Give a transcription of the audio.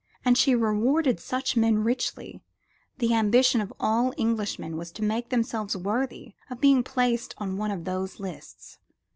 As she rewarded such men richly, the ambition of all Englishmen was to make themselves worthy of being placed on one of these lists.